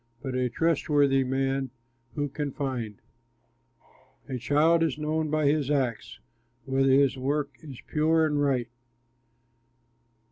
But a trustworthy man who can find? A child is known by his acts, Whether his work is pure and right.